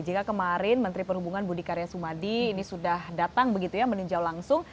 jika kemarin menteri perhubungan budi karya sumadi ini sudah datang meninjau langsung